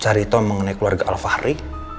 cari tahu mengenai keluarga alfahri